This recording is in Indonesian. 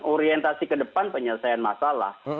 orientasi ke depan penyelesaian masalah